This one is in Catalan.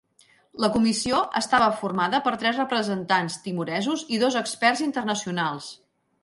La Comissió estava formada per tres representants timoresos i dos experts internacionals.